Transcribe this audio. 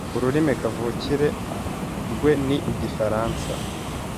Ururimi kavukire rwa ni Igifaransa.